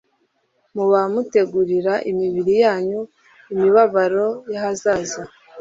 muba mutegurira imibiri yanyu imibabaro yahazaza